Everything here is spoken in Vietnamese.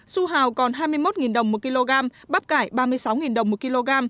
su hào còn hai mươi một đồng một kg bắp cải ba mươi sáu đồng một kg